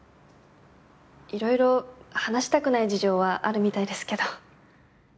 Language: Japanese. いろいろ話したくない事情はあるみたいですけど。